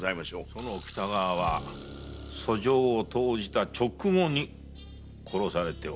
その北川は訴状を投じた直後に殺されておる。